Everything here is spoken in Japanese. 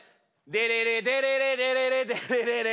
デレレデレレデレレデレレレ。